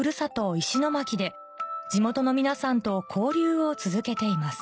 石巻で地元の皆さんと交流を続けています